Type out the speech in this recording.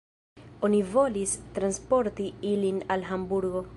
Oni volis transporti ilin al Hamburgo.